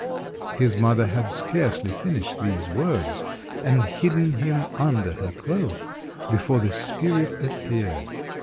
His mother had scarcely finished these words, and hidden him under her cloak, before the spirit appeared.